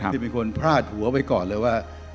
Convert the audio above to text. ที่เป็นคนพลาดหัวไว้ก่อนเลยว่า